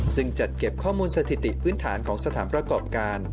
ซึ่งจัดเก็บข้อมูลสถิติพื้นฐานของสถานประกอบการ